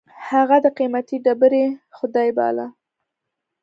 هغه د قېمتي ډبرې خدای باله.